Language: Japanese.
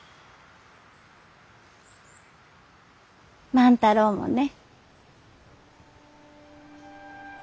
万太郎もね。